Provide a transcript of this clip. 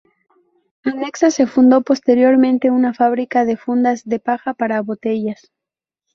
Anexa se fundó posteriormente una fábrica de fundas de paja para botellas.